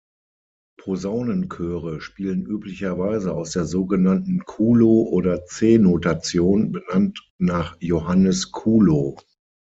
Posaunenchöre spielen üblicherweise aus der sogenannten Kuhlo- oder C-Notation, benannt nach Johannes Kuhlo.